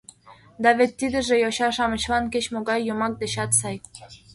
— Да вет тидыже йоча-шамычлан кеч-могай йомак дечат сай.